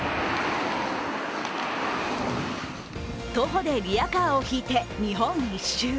徒歩でリヤカーを引いて日本一周。